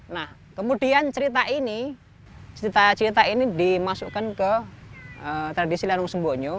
nah kemudian cerita ini cerita cerita ini dimasukkan ke tradisi lanung sembonyo